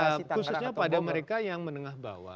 ya khususnya pada mereka yang menengah bawah